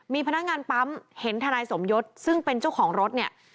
มีพนักงานปั๊มเห็นทนายสมยศซึ่งเป็นเจ้าของรถเนี่ย